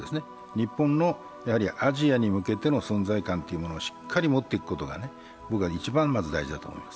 日本のアジアに向けての存在感というものをしっかり持っていくことが僕は一番まず大事だと思います。